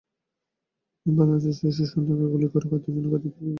মেবার-রাজ স্বীয় শিশুসন্তানগুলিকে খাদ্যের জন্য কাঁদিতে দেখিলেন।